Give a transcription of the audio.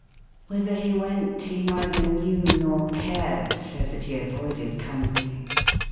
" Whither he went, he neither knew nor cared, so that he avoided company.